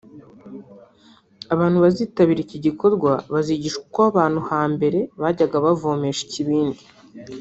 Abantu bazitabira iki gikorwa bazigishwa uko abantu hambere bajyaga kuvomesha ikibindi